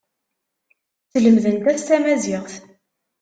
Slemdent-as tamaziɣt.